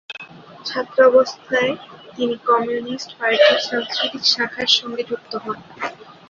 ছাত্রাবস্থায় তিনি কমিউনিস্ট পার্টির সাংস্কৃতিক শাখার সঙ্গে যুক্ত হন।